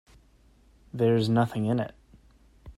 There's nothing in it.